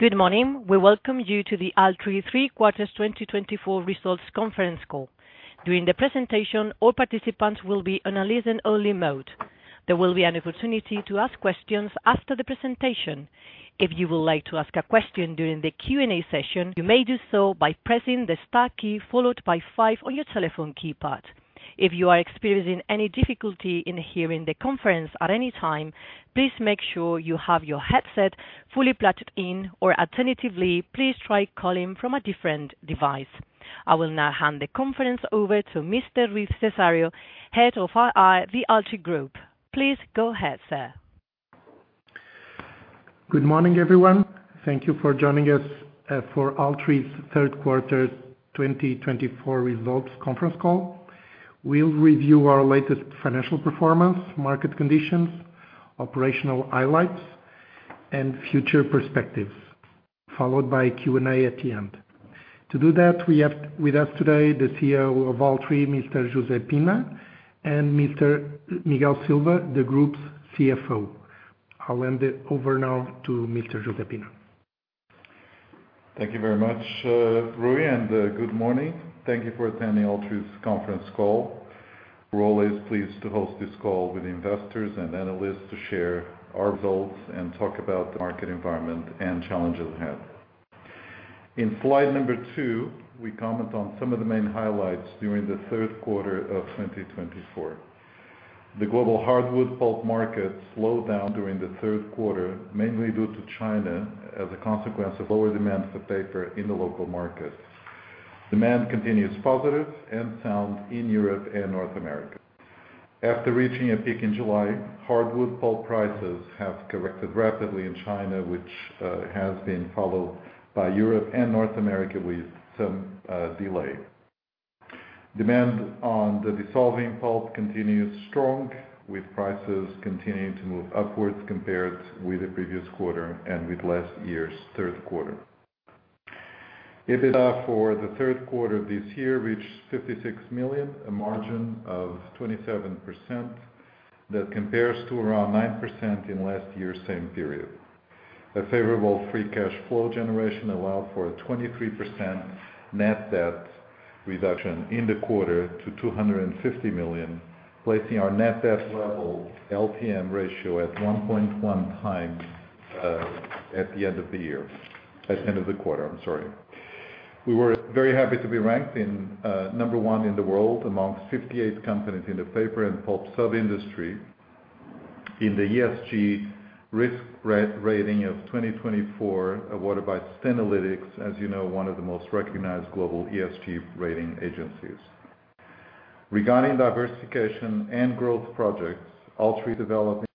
Good morning. We welcome you to the Altri Three Quarters 2024 Results Conference Call. During the presentation, all participants will be on a listen-only mode. There will be an opportunity to ask questions after the presentation. If you would like to ask a question during the Q&A session, you may do so by pressing the star key followed by five on your telephone keypad. If you are experiencing any difficulty in hearing the conference at any time, please make sure you have your headset fully plugged in, or alternatively, please try calling from a different device. I will now hand the conference over to Mr. Rui Cesário, Head of IR, the Altri Group. Please go ahead, sir. Good morning, everyone. Thank you for joining us for Altri's Third Quarter 2024 Results Conference Call. We'll review our latest financial performance, market conditions, operational highlights, and future perspectives, followed by Q&A at the end. To do that, we have with us today the CEO of Altri, Mr. José Pina, and Mr. Miguel Silva, the Group's CFO. I'll hand it over now to Mr. José Pina. Thank you very much, Rui, and good morning. Thank you for attending Altri's conference call. We're always pleased to host this call with investors and analysts to share our results and talk about the market environment and challenges ahead. In slide number two, we comment on some of the main highlights during the third quarter of 2024. The global hardwood pulp market slowed down during the third quarter, mainly due to China as a consequence of lower demand for paper in the local markets. Demand continues positive and sound in Europe and North America. After reaching a peak in July, hardwood pulp prices have corrected rapidly in China, which has been followed by Europe and North America with some delay. Demand on the dissolving pulp continues strong, with prices continuing to move upwards compared with the previous quarter and with last year's third quarter. EBITDA for the third quarter of this year reached 56 million, a margin of 27% that compares to around 9% in last year's same period. A favorable free cash flow generation allowed for a 23% net debt reduction in the quarter to 250 million, placing our net debt level LTM ratio at 1.1x at the end of the year, at the end of the quarter, I'm sorry. We were very happy to be ranked number one in the world among 58 companies in the paper and pulp sub-industry in the ESG risk rating of 2024, awarded by Sustainalytics, as you know, one of the most recognized global ESG rating agencies. Regarding diversification and growth projects, Altri is developing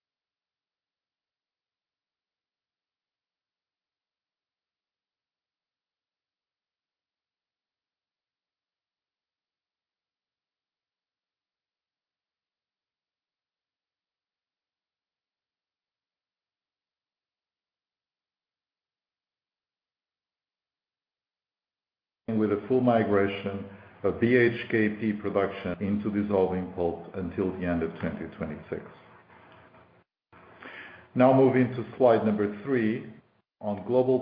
a full migration of BHKP production into dissolving pulp until the end of 2026. Now moving to slide number three. On global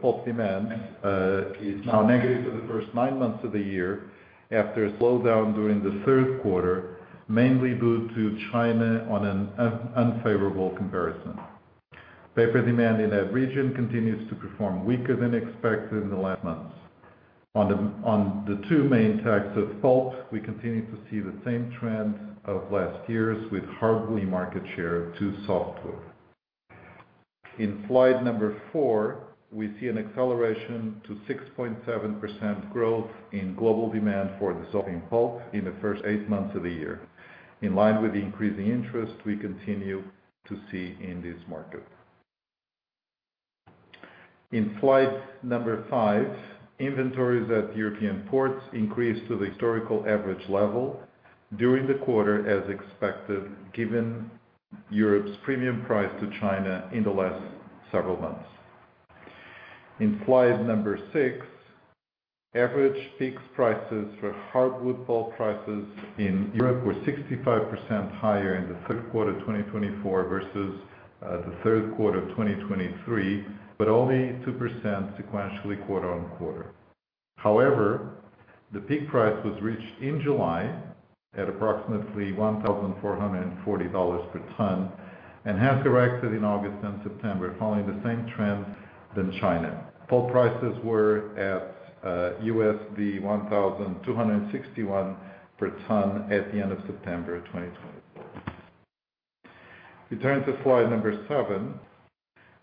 pulp demand, it's now negative for the first nine months of the year after a slowdown during the third quarter, mainly due to China on an unfavorable comparison. Paper demand in that region continues to perform weaker than expected in the last months. On the two main types of pulp, we continue to see the same trend of last years with hardwood market share to softwood. In slide number four, we see an acceleration to 6.7% growth in global demand for dissolving pulp in the first eight months of the year, in line with the increasing interest we continue to see in this market. In slide number five, inventories at European ports increased to the historical average level during the quarter, as expected, given Europe's premium price to China in the last several months. In slide number six, average fixed prices for hardwood pulp prices in Europe were 65% higher in the third quarter of 2024 versus the third quarter of 2023, but only 2% sequentially quarter-on-quarter. However, the peak price was reached in July at approximately $1,440 per ton and has corrected in August and September, following the same trend than China. Pulp prices were at $1,261 per ton at the end of September 2024. Returning to slide number seven,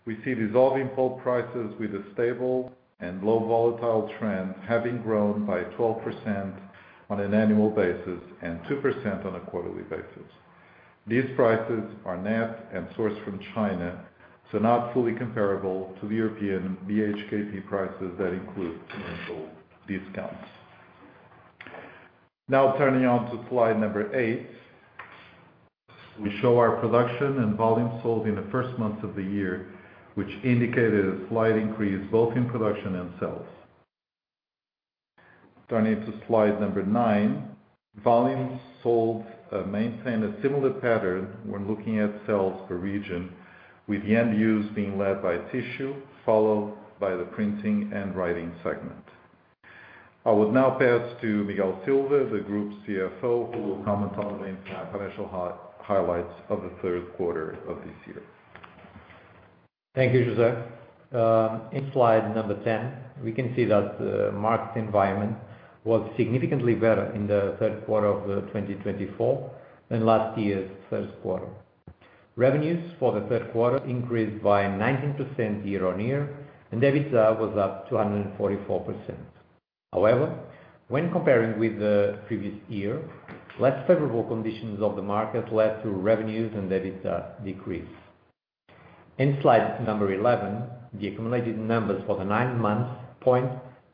we see dissolving pulp prices with a stable and low volatile trend, having grown by 12% on an annual basis and 2% on a quarterly basis. These prices are net and sourced from China, so not fully comparable to the European BHKP prices that include discounts. Now turning on to slide number eight, we show our production and volume sold in the first months of the year, which indicated a slight increase both in production and sales. Turning to slide number nine, volumes sold maintain a similar pattern when looking at sales per region, with the end use being led by tissue, followed by the printing and writing segment. I would now pass to Miguel Silva, the Group CFO, who will comment on the main financial highlights of the third quarter of this year. Thank you, José. In slide number ten, we can see that the market environment was significantly better in the third quarter of 2024 than last year's third quarter. Revenues for the third quarter increased by 19% year-on-year, and EBITDA was up 244%. However, when comparing with the previous year, less favorable conditions of the market led to revenues and EBITDA decrease. In slide number 11, the accumulated numbers for the nine months point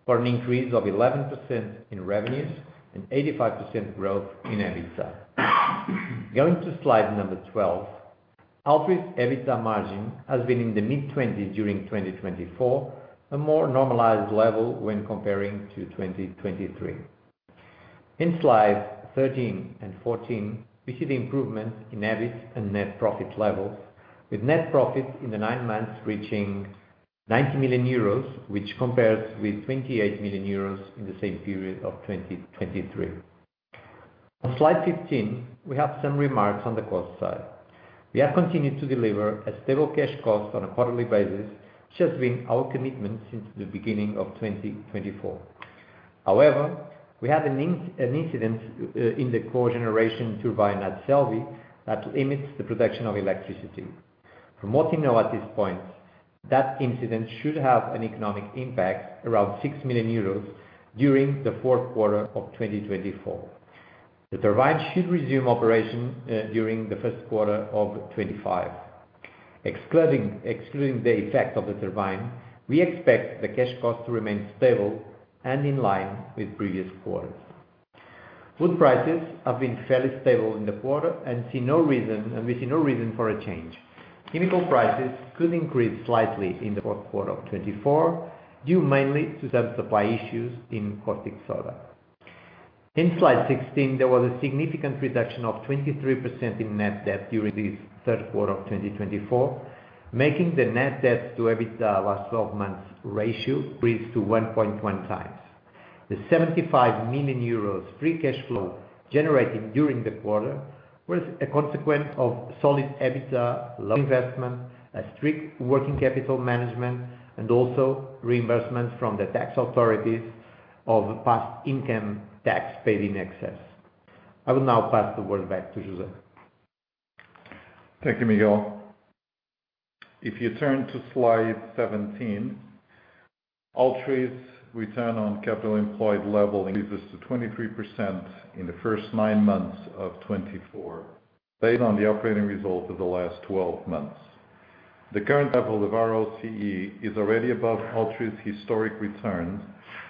to an increase of 11% in revenues and 85% growth in EBITDA. Going to slide number 12, Altri's EBITDA margin has been in the mid-20s during 2024, a more normalized level when comparing to 2023. In slides 13 and 14, we see the improvement in EBIT and net profit levels, with net profit in the nine months reaching €90 million, which compares with €28 million in the same period of 2023. On slide 15, we have some remarks on the cost side. We have continued to deliver a stable cash cost on a quarterly basis, which has been our commitment since the beginning of 2024. However, we had an incident in the cogeneration turbine at Celbi that limits the production of electricity. From what we know at this point, that incident should have an economic impact around 6 million euros during the fourth quarter of 2024. The turbine should resume operation during the first quarter of 2025. Excluding the effect of the turbine, we expect the cash cost to remain stable and in line with previous quarters. Wood prices have been fairly stable in the quarter, and we see no reason for a change. Chemical prices could increase slightly in the fourth quarter of 2024, due mainly to some supply issues in caustic soda. In slide 16, there was a significant reduction of 23% in net debt during this third quarter of 2024, making the net debt to EBITDA last 12 months ratio reach to 1.1x. The 75 million euros free cash flow generated during the quarter was a consequence of solid EBITDA investment, a strict working capital management, and also reimbursements from the tax authorities of past income tax paid in excess. I will now pass the word back to José. Thank you, Miguel. If you turn to slide 17, Altri's return on capital employed level increases to 23% in the first nine months of 2024, based on the operating result of the last 12 months. The current level of ROCE is already above Altri's historic returns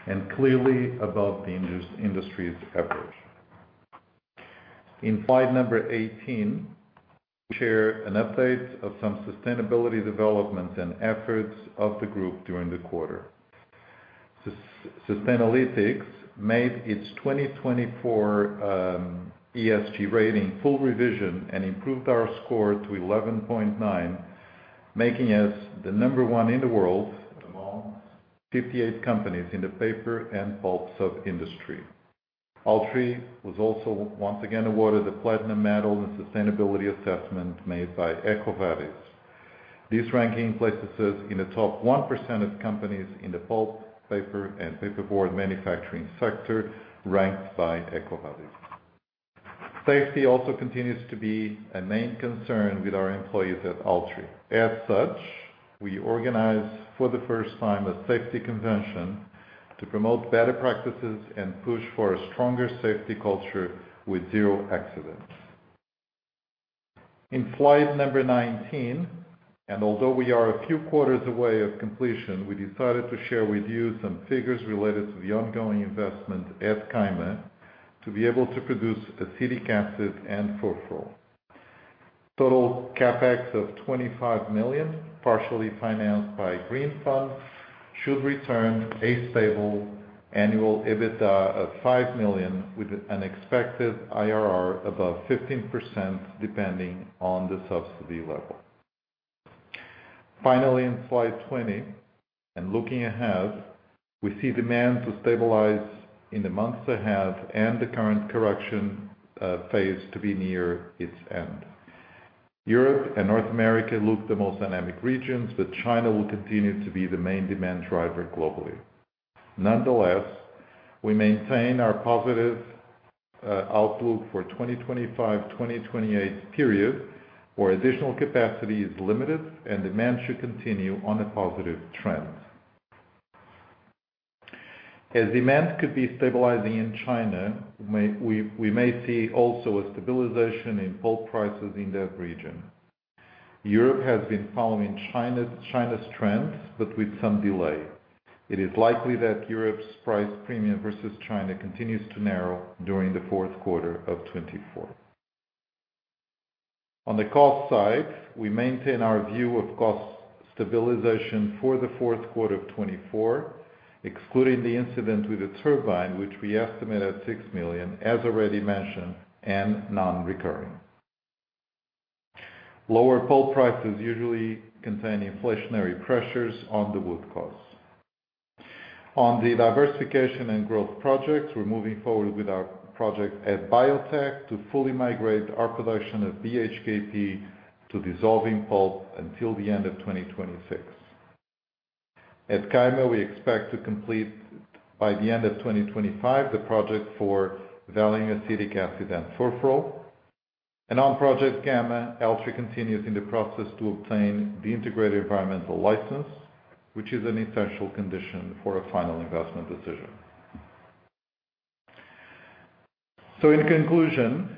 and clearly above the industry's average. In slide number 18, we share an update of some sustainability developments and efforts of the group during the quarter. Sustainalytics made its 2024 ESG rating full revision and improved our score to 11.9, making us the number one in the world among 58 companies in the paper and pulp sub-industry. Altri was also once again awarded the Platinum Medal in Sustainability Assessment made by EcoVadis. This ranking places us in the top 1% of companies in the pulp, paper, and paperboard manufacturing sector ranked by EcoVadis. Safety also continues to be a main concern with our employees at Altri. As such, we organize for the first time a safety convention to promote better practices and push for a stronger safety culture with zero accidents. In slide number 19, and although we are a few quarters away from completion, we decided to share with you some figures related to the ongoing investment at Caima to be able to produce acetic acid and furfural. Total CapEx of 25 million, partially financed by Green Fund, should return a stable annual EBITDA of 5 million, with an expected IRR above 15%, depending on the subsidy level. Finally, in slide 20 and looking ahead, we see demand to stabilize in the months ahead and the current correction phase to be near its end. Europe and North America look the most dynamic regions, but China will continue to be the main demand driver globally. Nonetheless, we maintain our positive outlook for the 2025-2028 period, where additional capacity is limited and demand should continue on a positive trend. As demand could be stabilizing in China, we may see also a stabilization in pulp prices in that region. Europe has been following China's trends, but with some delay. It is likely that Europe's price premium versus China continues to narrow during the fourth quarter of 2024. On the cost side, we maintain our view of cost stabilization for the fourth quarter of 2024, excluding the incident with the turbine, which we estimate at 6 million, as already mentioned, and non-recurring. Lower pulp prices usually contain inflationary pressures on the wood costs. On the diversification and growth projects, we're moving forward with our project at Biotek to fully migrate our production of BHKP to dissolving pulp until the end of 2026. At Caima, we expect to complete by the end of 2025 the project for valuing acetic acid and furfural. And on Project Gamma, Altri continues in the process to obtain the integrated environmental license, which is an essential condition for a final investment decision. So in conclusion,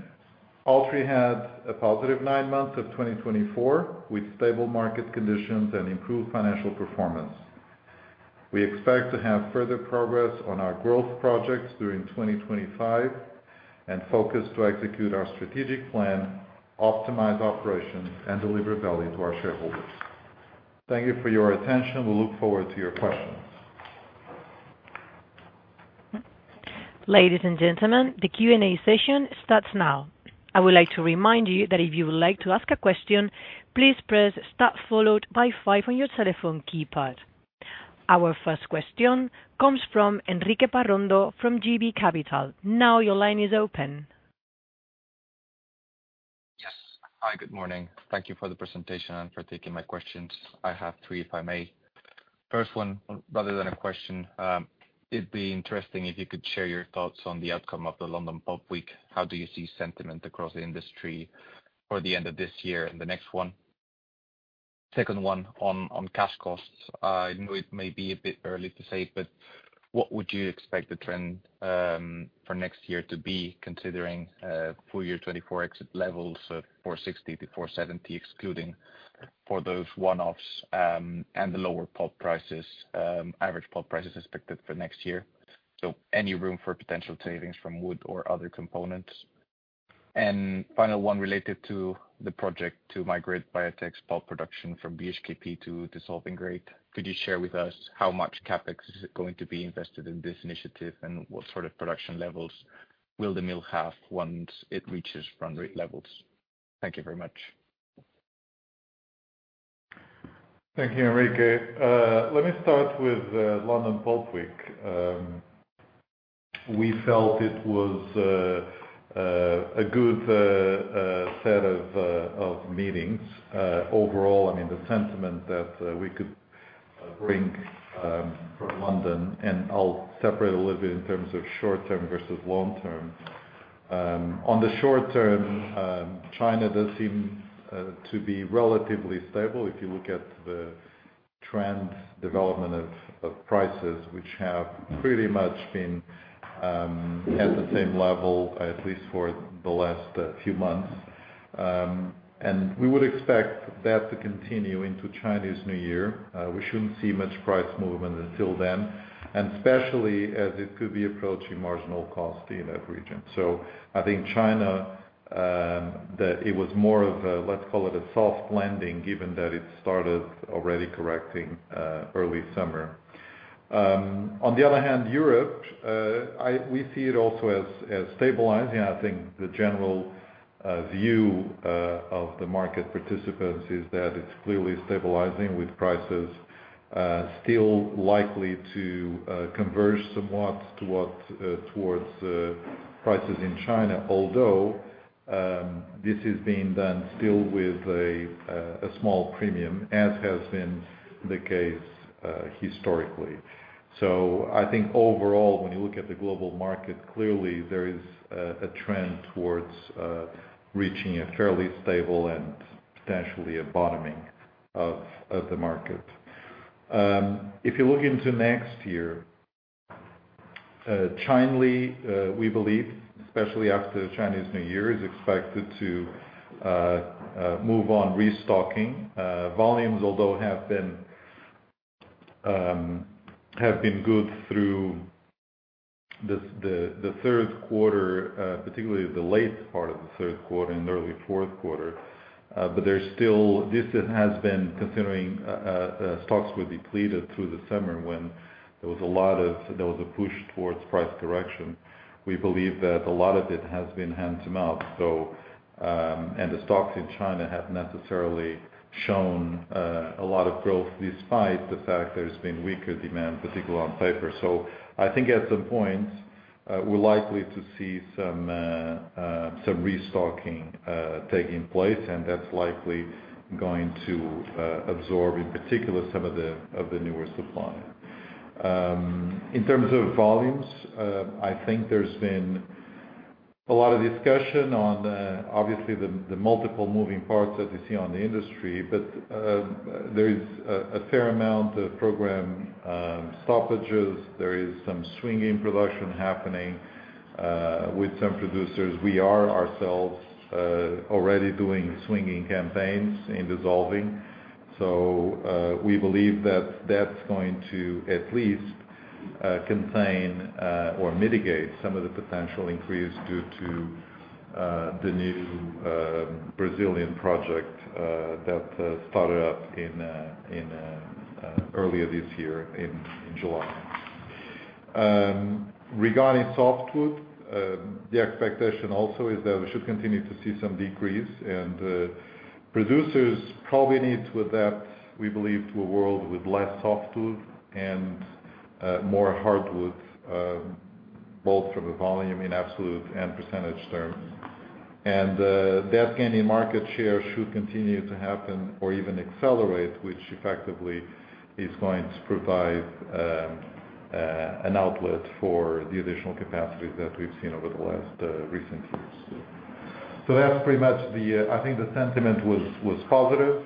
Altri had a positive nine months of 2024 with stable market conditions and improved financial performance. We expect to have further progress on our growth projects during 2025 and focus to execute our strategic plan, optimize operations, and deliver value to our shareholders. Thank you for your attention. We'll look forward to your questions. Ladies and gentlemen, the Q&A session starts now. I would like to remind you that if you would like to ask a question, please press star followed by five on your telephone keypad. Our first question comes from Enrique Parrondo from JB Capital Markets. Now your line is open. Yes. Hi, good morning. Thank you for the presentation and for taking my questions. I have three, if I may. First one, rather than a question, it'd be interesting if you could share your thoughts on the outcome of the London Pulp Week. How do you see sentiment across the industry for the end of this year and the next one? Second one, on cash costs. I know it may be a bit early to say, but what would you expect the trend for next year to be, considering full year 2024 exit levels of 460-470, excluding for those one-offs and the lower pulp prices, average pulp prices expected for next year? So any room for potential savings from wood or other components? And final one, related to the project to migrate Biotek's pulp production from BHKP to dissolving grade. Could you share with us how much CapEx is going to be invested in this initiative and what sort of production levels will the mill have once it reaches run rate levels? Thank you very much. Thank you, Enrique. Let me start with the London Pulp Week. We felt it was a good set of meetings. Overall, I mean, the sentiment that we could bring from London, and I'll separate a little bit in terms of short-term versus long-term. On the short-term, China does seem to be relatively stable if you look at the trend development of prices, which have pretty much been at the same level, at least for the last few months, and we would expect that to continue into Chinese New Year. We shouldn't see much price movement until then, and especially as it could be approaching marginal cost in that region, so I think China, it was more of a, let's call it a soft landing, given that it started already correcting early summer. On the other hand, Europe, we see it also as stabilizing. I think the general view of the market participants is that it's clearly stabilizing with prices still likely to converge somewhat towards prices in China, although this is being done still with a small premium, as has been the case historically. So I think overall, when you look at the global market, clearly there is a trend towards reaching a fairly stable and potentially a bottoming of the market. If you look into next year, China, we believe, especially after Chinese New Year, is expected to move on restocking volumes, although have been good through the third quarter, particularly the late part of the third quarter and early fourth quarter. But there's still, this has been considering stocks were depleted through the summer when there was a push towards price correction. We believe that a lot of it has been hands-to-mouth, and the stocks in China have necessarily shown a lot of growth despite the fact there's been weaker demand, particularly on paper. So I think at some point, we're likely to see some restocking taking place, and that's likely going to absorb, in particular, some of the newer supply. In terms of volumes, I think there's been a lot of discussion on, obviously, the multiple moving parts that you see on the industry, but there is a fair amount of program stoppages. There is some swinging production happening with some producers. We are ourselves already doing swinging campaigns in dissolving. So we believe that that's going to at least contain or mitigate some of the potential increase due to the new Brazilian project that started up earlier this year in July. Regarding softwood, the expectation also is that we should continue to see some decrease, and producers probably need to adapt, we believe, to a world with less softwood and more hardwood, both from a volume in absolute and percentage terms, and that gain in market share should continue to happen or even accelerate, which effectively is going to provide an outlet for the additional capacities that we've seen over the last recent years, so that's pretty much the, I think the sentiment was positive,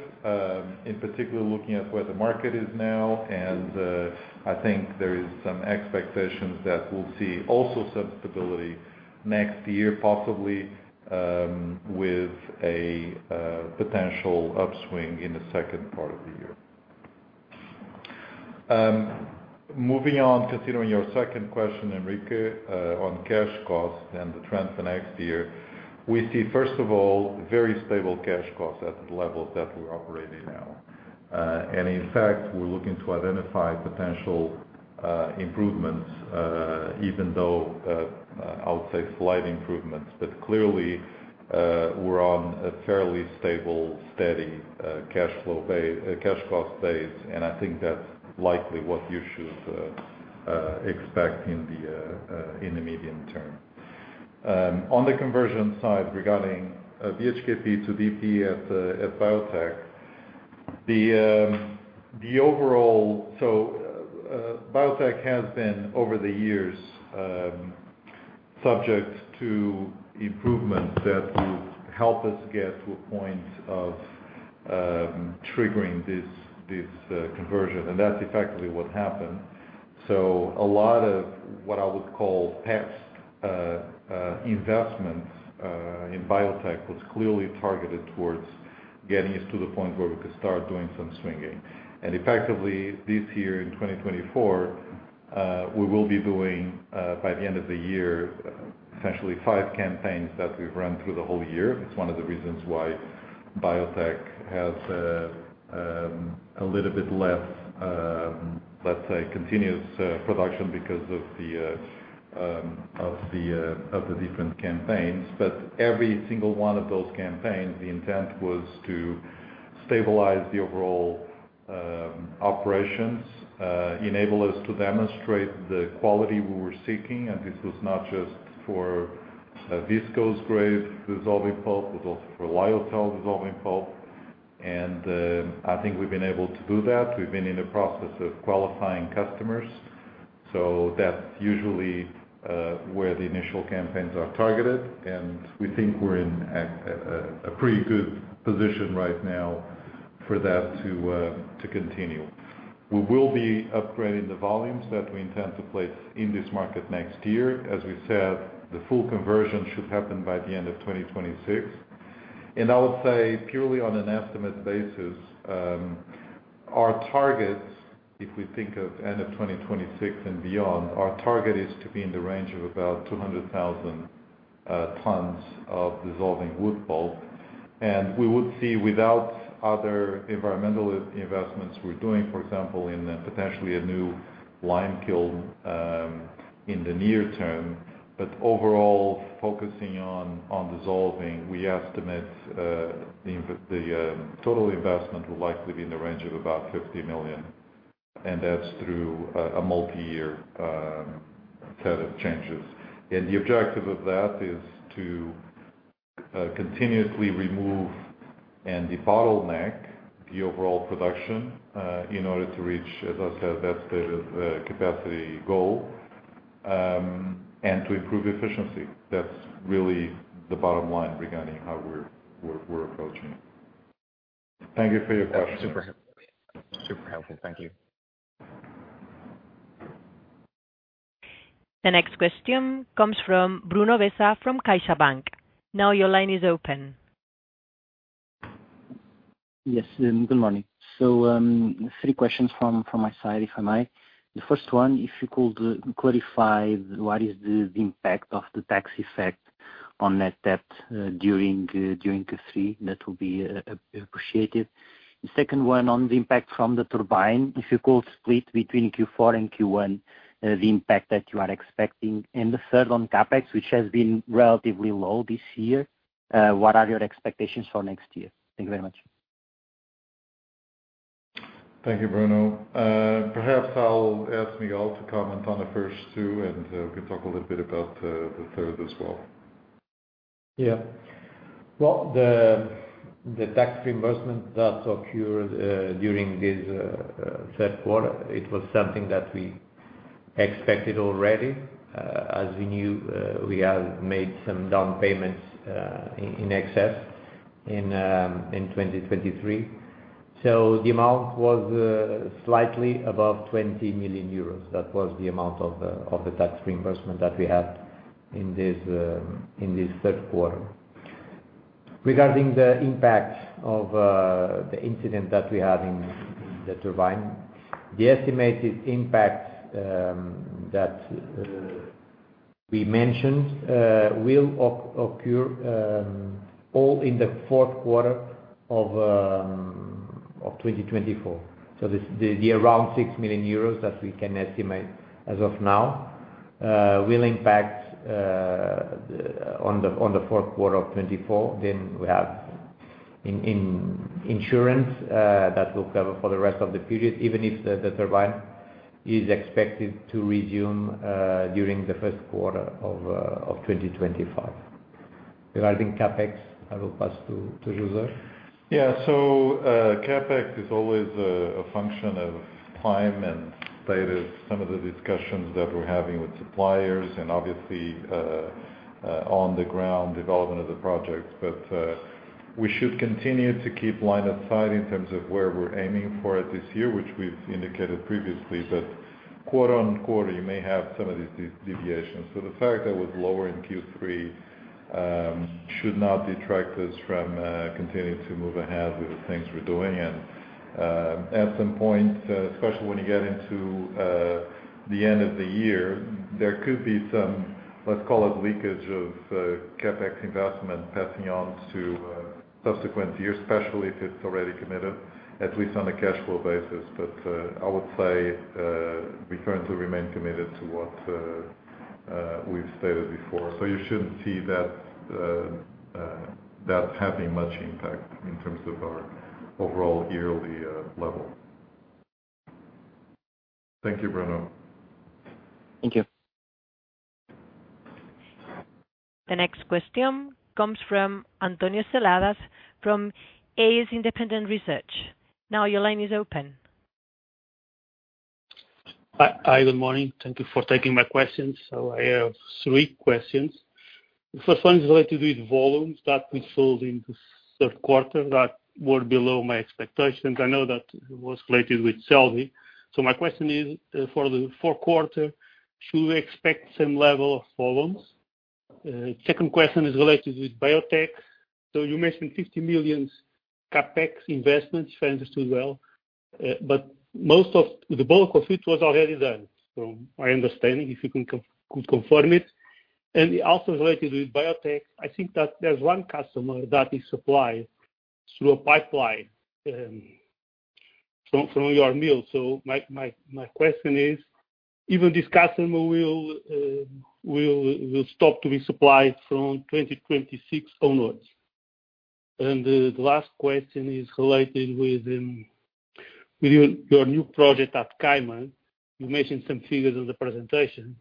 in particular looking at where the market is now, and I think there is some expectations that we'll see also some stability next year, possibly with a potential upswing in the second part of the year. Moving on, considering your second question, Enrique, on cash costs and the trend for next year, we see, first of all, very stable cash costs at the levels that we're operating now. And in fact, we're looking to identify potential improvements, even though I would say slight improvements, but clearly we're on a fairly stable, steady cash flow base, cash cost base, and I think that's likely what you should expect in the medium term. On the conversion side, regarding BHKP to DP at Biotek, the overall, so Biotek has been over the years subject to improvements that will help us get to a point of triggering this conversion, and that's effectively what happened. So a lot of what I would call past investments in Biotek was clearly targeted towards getting us to the point where we could start doing some swinging. Effectively, this year in 2024, we will be doing by the end of the year essentially five campaigns that we've run through the whole year. It's one of the reasons why Biotek has a little bit less, let's say, continuous production because of the different campaigns. But every single one of those campaigns, the intent was to stabilize the overall operations, enable us to demonstrate the quality we were seeking, and this was not just for viscose-grade dissolving pulp, it was also for lyocell dissolving pulp. And I think we've been able to do that. We've been in the process of qualifying customers, so that's usually where the initial campaigns are targeted, and we think we're in a pretty good position right now for that to continue. We will be upgrading the volumes that we intend to place in this market next year. As we said, the full conversion should happen by the end of 2026. And I would say purely on an estimate basis, our target, if we think of end of 2026 and beyond, our target is to be in the range of about 200,000 tons of dissolving wood pulp. And we would see without other environmental investments we're doing, for example, in potentially a new lime kiln in the near term, but overall focusing on dissolving, we estimate the total investment will likely be in the range of about 50 million, and that's through a multi-year set of changes. And the objective of that is to continuously remove and debottleneck the overall production in order to reach, as I said, that state of capacity goal and to improve efficiency. That's really the bottom line regarding how we're approaching. Thank you for your question. Super helpful. Thank you. The next question comes from Bruno Bessa from CaixaBank. Now your line is open. Yes, good morning. So three questions from my side, if I may. The first one, if you could clarify what is the impact of the tax effect on net debt during Q3, that will be appreciated. The second one on the impact from the turbine, if you could split between Q4 and Q1 the impact that you are expecting? And the third on CapEx, which has been relatively low this year. What are your expectations for next year? Thank you very much. Thank you, Bruno. Perhaps I'll ask Miguel to comment on the first two, and we can talk a little bit about the third as well. Yeah. Well, the tax reimbursement that occurred during this third quarter, it was something that we expected already, as we knew we had made some down payments in excess in 2023. So the amount was slightly above 20 million euros. That was the amount of the tax reimbursement that we had in this third quarter. Regarding the impact of the incident that we had in the turbine, the estimated impact that we mentioned will occur all in the fourth quarter of 2024. So the around 6 million euros that we can estimate as of now will impact on the fourth quarter of 2024. Then we have insurance that will cover for the rest of the period, even if the turbine is expected to resume during the first quarter of 2025. Regarding CapEx, I will pass to José. Yeah, so CapEx is always a function of time and state of some of the discussions that we're having with suppliers and obviously on the ground development of the project, but we should continue to keep line of sight in terms of where we're aiming for this year, which we've indicated previously, but quarter-on-quarter, you may have some of these deviations, so the fact that we're lower in Q3 should not detract us from continuing to move ahead with the things we're doing, and at some point, especially when you get into the end of the year, there could be some, let's call it, leakage of CapEx investment passing on to subsequent years, especially if it's already committed, at least on a cash flow basis, but I would say we currently remain committed to what we've stated before. So you shouldn't see that having much impact in terms of our overall yearly level. Thank you, Bruno. Thank you. The next question comes from António Seladas from AS Independent Research. Now your line is open. Hi, good morning. Thank you for taking my questions. So I have three questions. The first one is related to the volumes that we sold in the third quarter that were below my expectations. I know that it was related with Celbi. So my question is for the fourth quarter, should we expect some level of volumes? The second question is related to Biotek. So you mentioned €50 million CapEx investment, if I understood well. But most of the bulk of it was already done, from my understanding, if you could confirm it. And also related to Biotek, I think that there's one customer that is supplied through a pipeline from your mill. So my question is, even this customer will stop to be supplied from 2026 onwards? And the last question is related with your new project at Caima. You mentioned some figures on the presentation.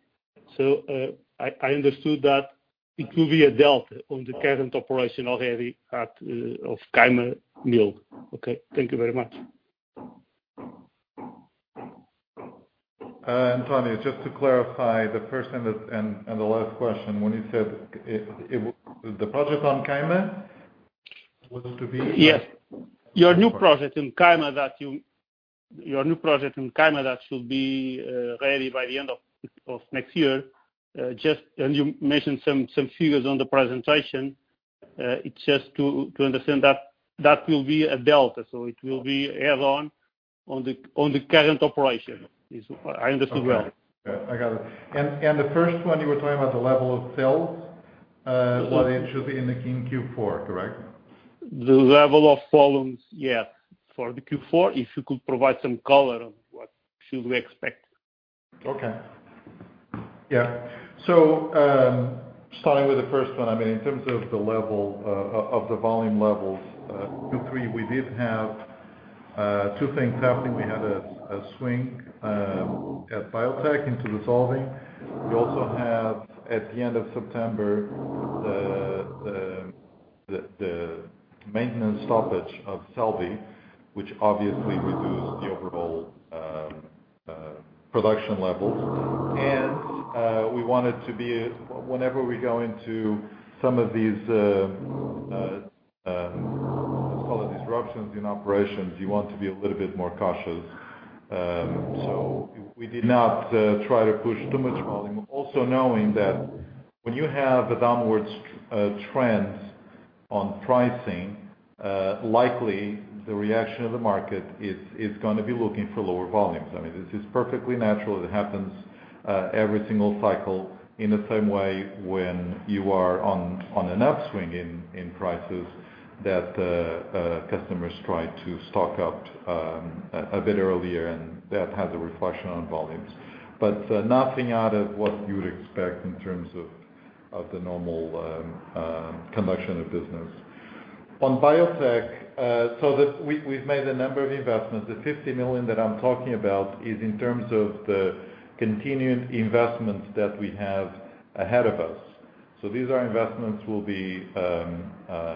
So I understood that it will be a delta on the current operation already of Caima Mill. Okay. Thank you very much. António, just to clarify the first and the last question, when you said the project on Caima was to be. Yes. Your new project in Caima, your new project in Caima that should be ready by the end of next year, just and you mentioned some figures on the presentation. It's just to understand that that will be a delta. So it will be add-on on the current operation. I understood well. I got it. And the first one you were talking about the level of sales, it should be in the Q4, correct? The level of volumes, yes. For the Q4, if you could provide some color on what should we expect? Okay. Yeah. So starting with the first one, I mean, in terms of the level of the volume levels, Q3, we did have two things happening. We had a swing at Biotek into dissolving. We also had, at the end of September, the maintenance stoppage of Celbi, which obviously reduced the overall production levels. And we wanted to be whenever we go into some of these, let's call it disruptions in operations, you want to be a little bit more cautious. So we did not try to push too much volume. Also knowing that when you have a downward trend on pricing, likely the reaction of the market is going to be looking for lower volumes. I mean, this is perfectly natural. It happens every single cycle in the same way when you are on an upswing in prices that customers try to stock up a bit earlier, and that has a reflection on volumes. But nothing out of what you would expect in terms of the normal conduct of business. On Biotek, so we've made a number of investments. The 50 million that I'm talking about is in terms of the continued investments that we have ahead of us. So these are investments we'll be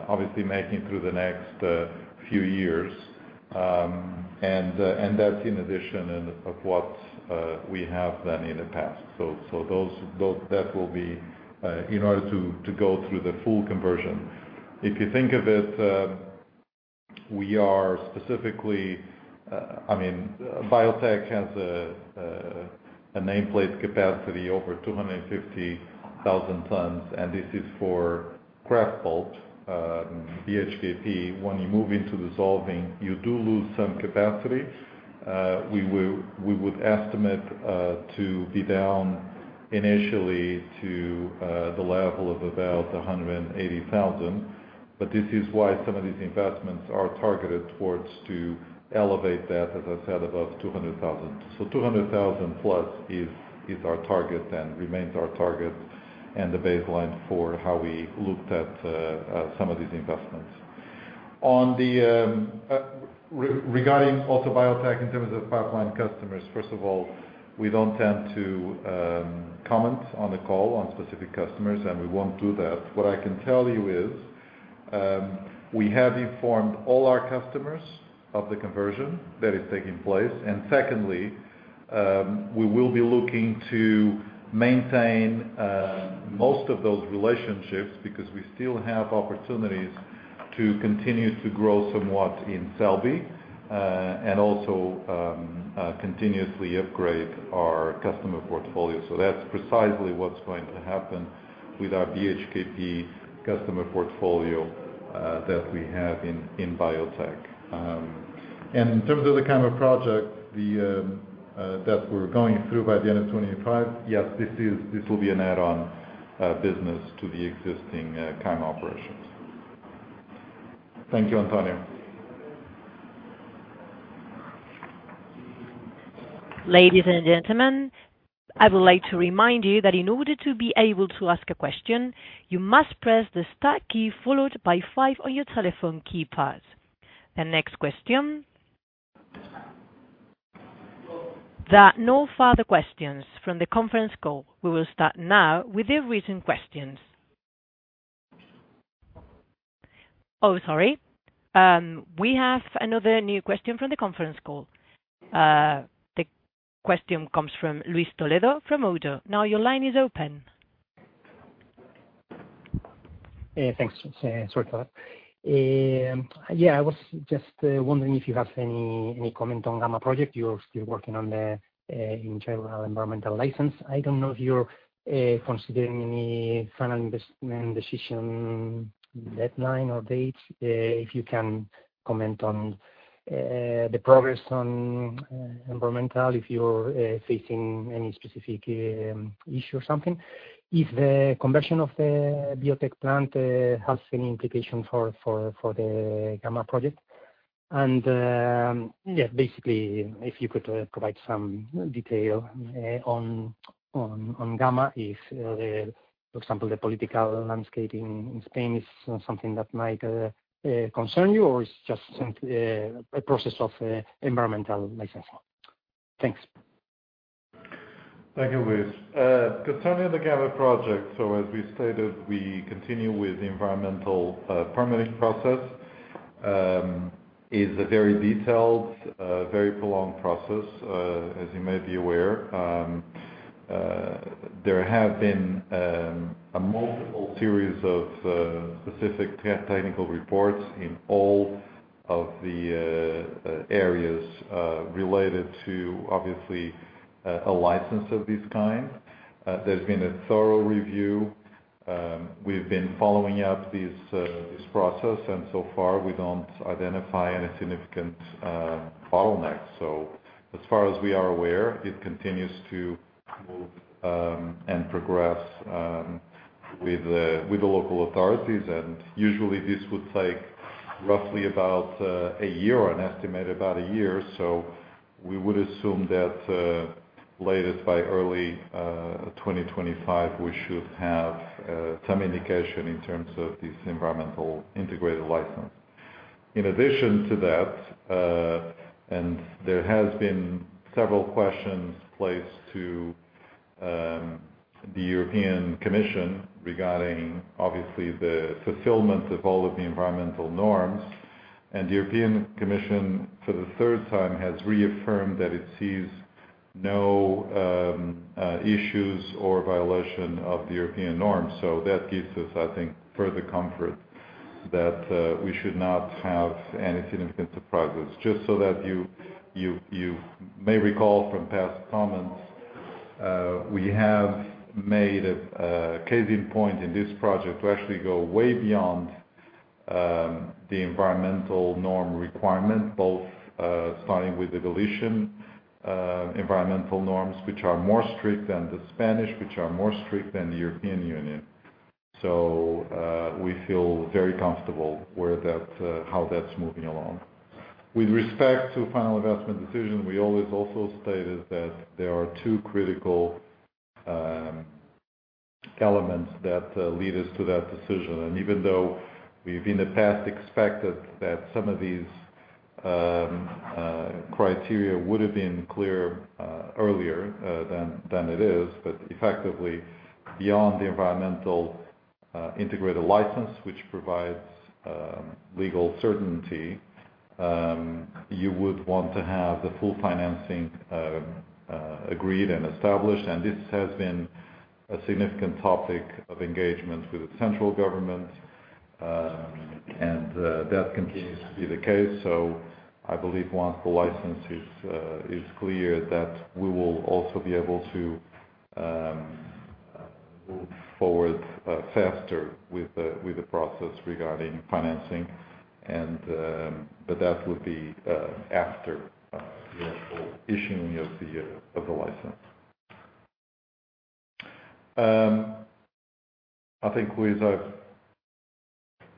obviously making through the next few years. And that's in addition of what we have done in the past. So that will be in order to go through the full conversion. If you think of it, we are specifically, I mean, Biotek has a nameplate capacity of over 250,000 tons, and this is for kraft pulp, BHKP. When you move into dissolving, you do lose some capacity. We would estimate to be down initially to the level of about 180,000, but this is why some of these investments are targeted towards to elevate that, as I said above, 200,000. So 200,000 plus is our target and remains our target and the baseline for how we looked at some of these investments. Regarding also Biotek in terms of pipeline customers, first of all, we don't tend to comment on the call on specific customers, and we won't do that. What I can tell you is we have informed all our customers of the conversion that is taking place, and secondly, we will be looking to maintain most of those relationships because we still have opportunities to continue to grow somewhat in Celbi and also continuously upgrade our customer portfolio. So that's precisely what's going to happen with our BHKP customer portfolio that we have in Biotek. And in terms of the kind of project that we're going through by the end of 2025, yes, this will be an add-on business to the existing Caima operations. Thank you, António. Ladies and gentlemen, I would like to remind you that in order to be able to ask a question, you must press the start key followed by five on your telephone keypads. The next question. There are no further questions from the conference call. We will start now with the written questions. Oh, sorry. We have another new question from the conference call. The question comes from Luis Toledo from ODDO. Now your line is open. Thanks. Sorry for that. Yeah, I was just wondering if you have any comment on the Gamma Project. You're still working on the general environmental license. I don't know if you're considering any final investment decision deadline or date. If you can comment on the progress on environmental, if you're facing any specific issue or something. If the conversion of the Biotek plant has any implication for the Gamma Project. And yeah, basically, if you could provide some detail on Gamma, if, for example, the political landscape in Spain is something that might concern you or it's just a process of environmental licensing. Thanks. Thank you, Luis. Concerning the Gamma Project, so as we stated, we continue with the environmental permitting process. It's a very detailed, very prolonged process, as you may be aware. There have been a multiple series of specific technical reports in all of the areas related to, obviously, a license of this kind. There's been a thorough review. We've been following up this process, and so far, we don't identify any significant bottlenecks. So as far as we are aware, it continues to move and progress with the local authorities, and usually, this would take roughly about a year or an estimate about a year. So we would assume that latest by early 2025, we should have some indication in terms of this environmental integrated license. In addition to that, and there has been several questions placed to the European Commission regarding, obviously, the fulfillment of all of the environmental norms, and the European Commission, for the third time, has reaffirmed that it sees no issues or violation of the European norms, so that gives us, I think, further comfort that we should not have any significant surprises. Just so that you may recall from past comments, we have made a case in point in this project to actually go way beyond the environmental norm requirement, both starting with the Galician environmental norms, which are more strict than the Spanish, which are more strict than the European Union, so we feel very comfortable with how that's moving along. With respect to final investment decision, we always also stated that there are two critical elements that lead us to that decision. Even though we've in the past expected that some of these criteria would have been clear earlier than it is, but effectively, beyond the environmental integrated license, which provides legal certainty, you would want to have the full financing agreed and established. This has been a significant topic of engagement with the central government, and that continues to be the case. I believe once the license is clear, that we will also be able to move forward faster with the process regarding financing. That would be after the actual issuing of the license.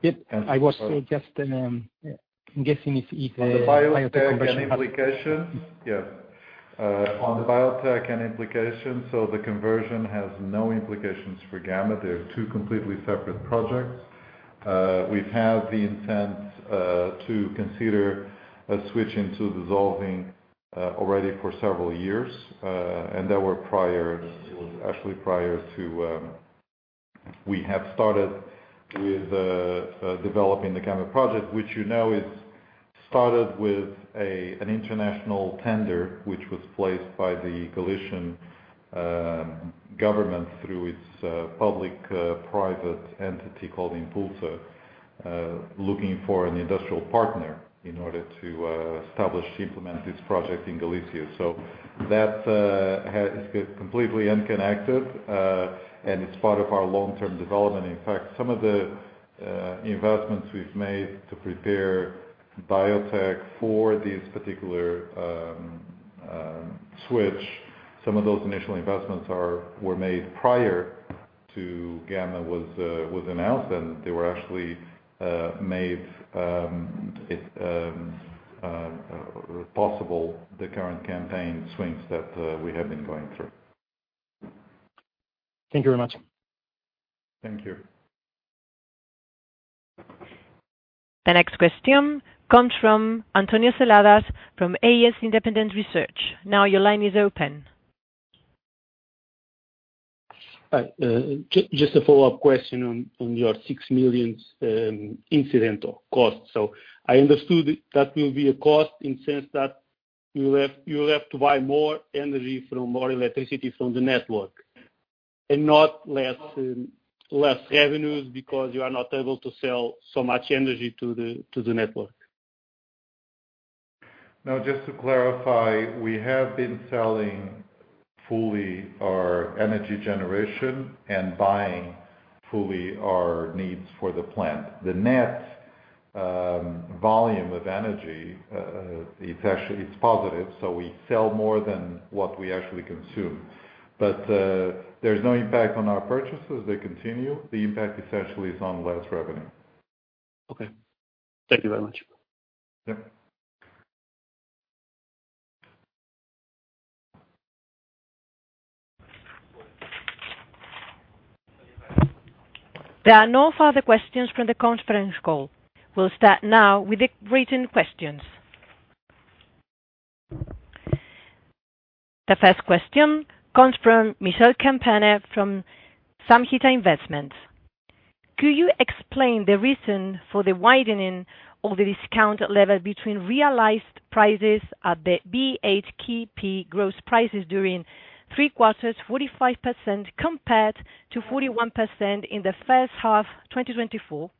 I think Luis I've. Yep. I was just guessing if Biotek has any implication. On the Biotek and implications, so the conversion has no implications for Gamma. They're two completely separate projects. We've had the intent to consider a switch into dissolving already for several years. And there were priors, actually prior to we have started with developing the Gamma Project, which you know is started with an international tender, which was placed by the Galician government through its public-private entity called Impulsa, looking for an industrial partner in order to establish, implement this project in Galicia. So that is completely unconnected, and it's part of our long-term development. In fact, some of the investments we've made to prepare Biotek for this particular switch, some of those initial investments were made prior to Gamma was announced, and they were actually made possible, the current campaign swings that we have been going through. Thank you very much. Thank you. The next question comes from António Seladas from AS Independent Research. Now your line is open. Just a follow-up question on your six million incidental cost, so I understood that will be a cost in the sense that you'll have to buy more energy or more electricity from the network and not less revenues because you are not able to sell so much energy to the network. Now, just to clarify, we have been selling fully our energy generation and buying fully our needs for the plant. The net volume of energy, it's positive, so we sell more than what we actually consume. But there's no impact on our purchases. They continue. The impact essentially is on less revenue. Okay. Thank you very much. Yep. There are no further questions from the conference call. We'll start now with the written questions. The first question comes from Michel Campana from Samhita Investments. Could you explain the reason for the widening of the discount level between realized prices at the BHKP gross prices during three quarters, 45% compared to 41% in the first half, 2024?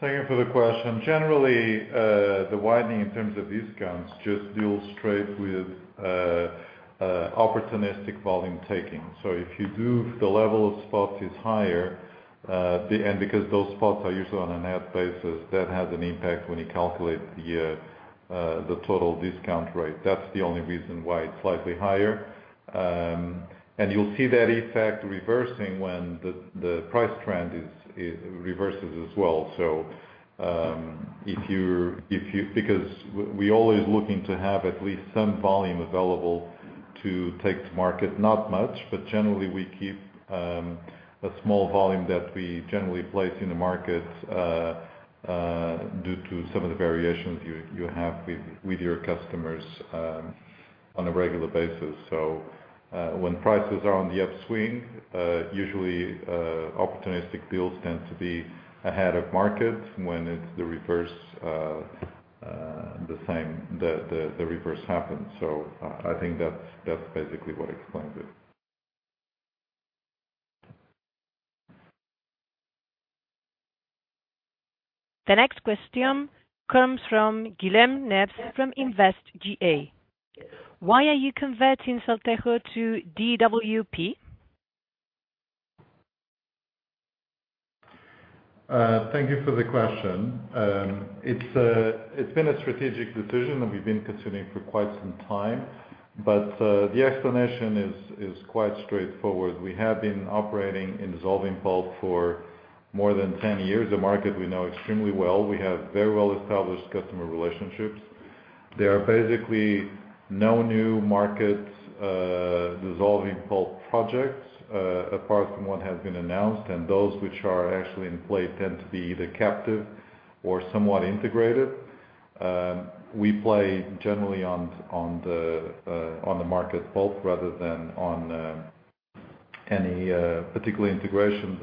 Thank you for the question. Generally, the widening in terms of discounts just deals straight with opportunistic volume taking. So if you do, the level of spots is higher. And because those spots are usually on a net basis, that has an impact when you calculate the total discount rate. That's the only reason why it's slightly higher. And you'll see that effect reversing when the price trend reverses as well. So because we're always looking to have at least some volume available to take to market, not much, but generally, we keep a small volume that we generally place in the market due to some of the variations you have with your customers on a regular basis. So when prices are on the upswing, usually, opportunistic deals tend to be ahead of market. When it's the reverse, the same reverse happens. So I think that's basically what explains it. The next question comes from Guilhem Nest from InvestGA. Why are you converting Biotek to DWP? Thank you for the question. It's been a strategic decision that we've been considering for quite some time, but the explanation is quite straightforward. We have been operating in dissolving pulp for more than 10 years, a market we know extremely well. We have very well-established customer relationships. There are basically no new market dissolving pulp projects apart from what has been announced, and those which are actually in play tend to be either captive or somewhat integrated. We play generally on the market pulp rather than on any particular integration,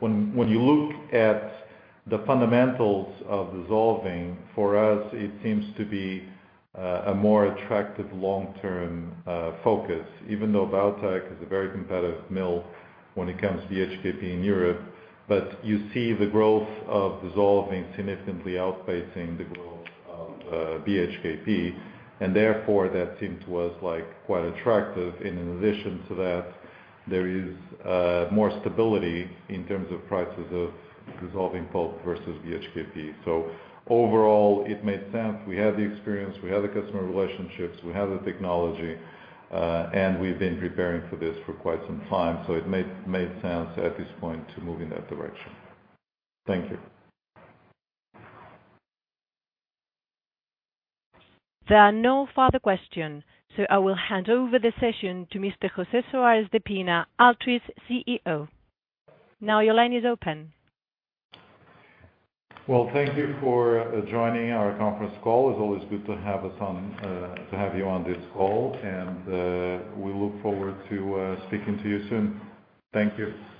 but when you look at the fundamentals of dissolving, for us, it seems to be a more attractive long-term focus, even though Biotek is a very competitive mill when it comes to BHKP in Europe, but you see the growth of dissolving significantly outpacing the growth of BHKP, and therefore, that seemed to us quite attractive. And in addition to that, there is more stability in terms of prices of dissolving pulp versus BHKP. So overall, it made sense. We had the experience, we had the customer relationships, we had the technology, and we've been preparing for this for quite some time. So it made sense at this point to move in that direction. Thank you. There are no further questions, so I will hand over the session to Mr. José Soares de Pina, Altri CEO. Now your line is open. Thank you for joining our conference call. It's always good to have you on this call, and we look forward to speaking to you soon. Thank you.